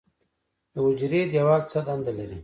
د حجرې دیوال څه دنده لري؟